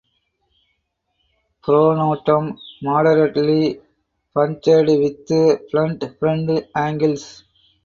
Pronotum moderately punctured with blunt front angles.